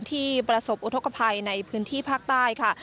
ที่ประสบอุทธกภัยในพื้นที่ภาคใต้ค่ะ